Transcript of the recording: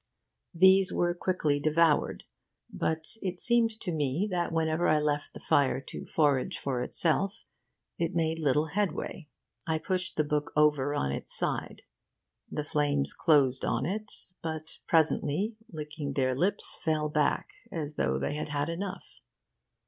These were quickly devoured. But it seemed to me that whenever I left the fire to forage for itself it made little headway. I pushed the book over on its side. The flames closed on it, but presently, licking their lips, fell back, as though they had had enough.